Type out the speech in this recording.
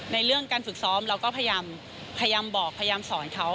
เรื่องการฝึกซ้อมเราก็พยายามบอกพยายามสอนเขา